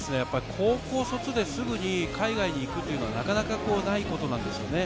高校卒ですぐに海外に行くというのは、なかなかないことなんですよね。